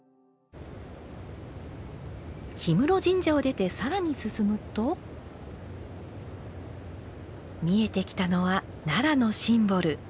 氷室神社を出て更に進むと見えてきたのは奈良のシンボル